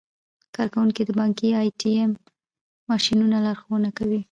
کارکوونکي د بانکي ای ټي ایم ماشینونو لارښوونه کوي.